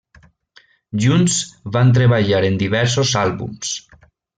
Junts van treballar en diversos àlbums.